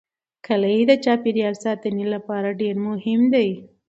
کلي د چاپیریال ساتنې لپاره ډېر مهم دي.